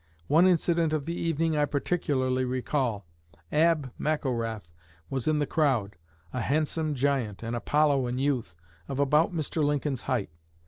One incident of the evening I particularly recall. Ab McElrath was in the crowd a handsome giant, an Apollo in youth, of about Mr. Lincoln's height.